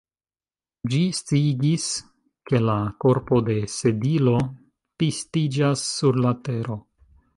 Ĝi sciigis, ke la korpo de Sedilo pistiĝas sur la tero.